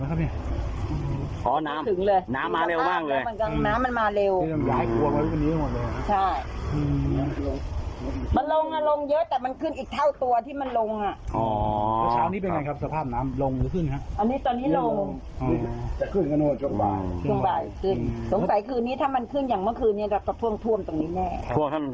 สงสัยคืนนี้ถ้ามันขึ้นอย่างเมื่อคืนนี้ก็จะท่วมท่วมตรงนี้แน่